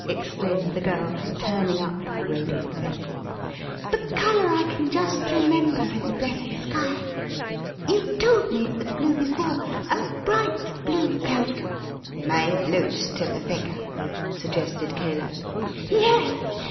exclaimed the girl, turning up her radiant face; "the colour I can just remember in the blessed sky! You told me it was blue before! A bright blue coat" "Made loose to the figure," suggested Caleb. "Yes!